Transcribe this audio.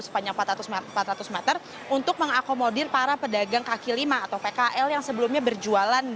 sepanjang empat ratus meter untuk mengakomodir para pedagang kaki lima atau pkl yang sebelumnya berjualan